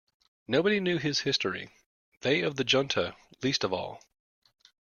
Nobody knew his history, they of the Junta least of all.